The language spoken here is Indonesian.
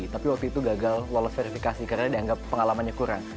tapi waktu itu gagal walau verifikasi karena dianggap pengalamannya kurang